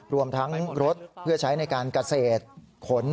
รวมทั้งรถเพื่อใช้ในการเกษตรขน